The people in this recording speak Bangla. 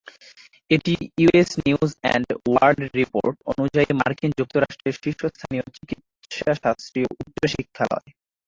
এটি "US news and world report" অনুযায়ী মার্কিন যুক্তরাষ্ট্রের শীর্ষস্থানীয় চিকিৎসাশাস্ত্রীয় উচ্চশিক্ষালয়।